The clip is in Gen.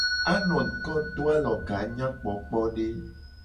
Anoko do aloga nyakpokpode.